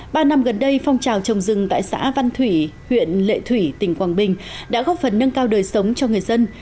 ba năm gần đây phong trào trồng rừng tại xã văn thủy huyện lệ thủy tỉnh quảng bình đã góp phần nâng cao đời sống cho người dân